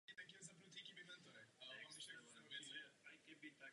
Centrum jeho výskytu je v Malé Asii a na Balkáně.